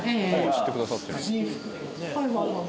知ってくださってる。